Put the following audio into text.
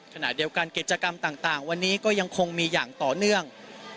ขณะเดียวกันกิจกรรมต่างวันนี้ก็ยังคงมีอย่างต่อเนื่อง